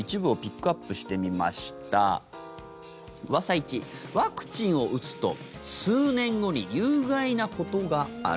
１、ワクチンを打つと数年後に有害なことがある。